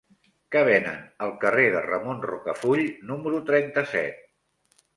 Què venen al carrer de Ramon Rocafull número trenta-set?